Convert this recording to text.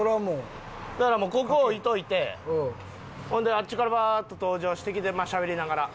だからもうここ置いといてほんであっちからバーッと登場してきてまあしゃべりながら。